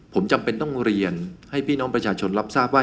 ผมจำเป็นต้องเรียนให้พี่น้องประชาชนรับทราบว่า